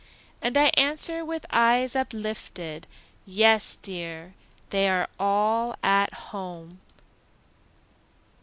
And I answer, with eyes uplifted, "Yes, dear! they are all at home."